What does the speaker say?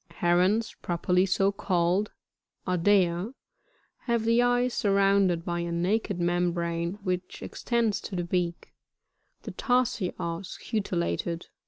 35. Herons properly so called, — Ardea, — have the eyes sur rounded by a naked membrane, which extends to the beak ; the tarsi are scutellated, &.